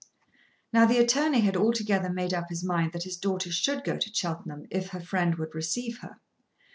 Now the attorney had altogether made up his mind that his daughter should go to Cheltenham if her friend would receive her.